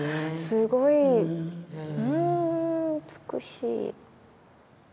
すごいうん美しい。